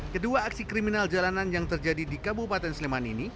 kedua aksi kriminal jalanan yang terjadi di kabupaten sleman ini